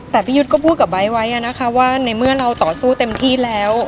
แต่พี่ยุทธ์ก็พูดกับไบท์ไว้นะคะว่าในเมื่อเราต่อสู้เต็มที่แล้ว